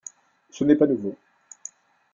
ce n’est pas nouveau.